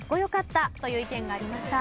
という意見がありました。